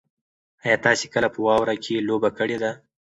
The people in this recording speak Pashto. ایا تاسي کله په واوره کې لوبه کړې ده؟